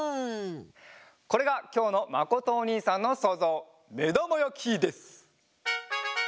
これがきょうのまことおにいさんのそうぞう「めだまやき」です！